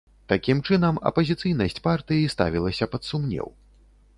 Такім чынам апазіцыйнасць партыі ставілася пад сумнеў.